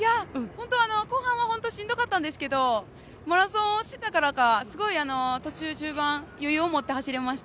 後半はしんどかったんですけどマラソンをしていたからかすごい途中、中盤余裕を持って走れました。